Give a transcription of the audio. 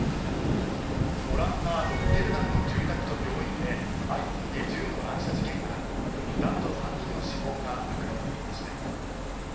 オランダ・ロッテルダムの住宅と病院で相次いで銃の乱射事件があり男女３人の死亡が確認されました。